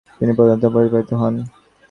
তিনি প্রধানত প্রতিপালিত হন।